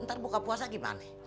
ntar buka puasa gimana